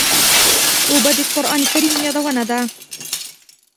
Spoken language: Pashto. اوبه د قرآن کریم یادونه ده.